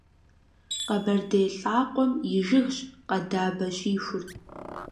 Къэбэрдей лӀакъуэм и жыгщ къэдабэщихур.